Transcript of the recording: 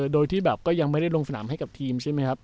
โดยที่แบบก็ยังไม่ได้ลงสนามให้กับทีมใช่ไหมครับ